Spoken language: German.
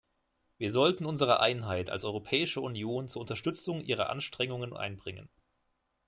Wir sollten unsere Einheit als Europäische Union zur Unterstützung ihrer Anstrengungen einbringen.